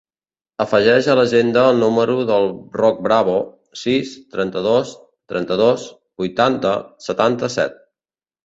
Afegeix a l'agenda el número del Roc Bravo: sis, trenta-dos, trenta-dos, vuitanta, setanta-set.